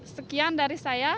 sekian dari saya